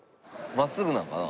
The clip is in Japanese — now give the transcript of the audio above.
真っすぐなんかな？